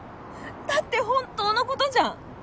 だって本当のことじゃん！